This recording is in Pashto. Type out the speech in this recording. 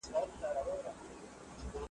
له خپل تخته را لوېدلی چي سرکار وي `